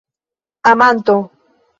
amanto